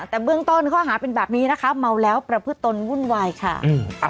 แต่เบื้องต้นข้อหาเป็นแบบนี้นะคะเมาแล้วประพฤตนวุ่นวายค่ะอืม